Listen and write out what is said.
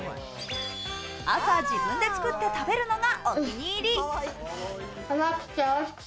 朝、自分で作って食べるのがお気に入り。